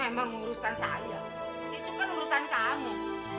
emang urusan saya itu kan urusan kamu